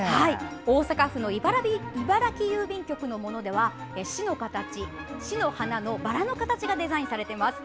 大阪府の茨木郵便局のものでは市の花のバラの形がデザインされています。